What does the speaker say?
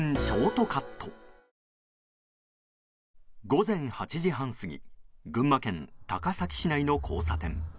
午前８時半過ぎ群馬県高崎市内の交差点。